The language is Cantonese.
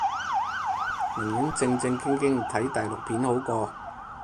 寧願正正經經睇大陸片好過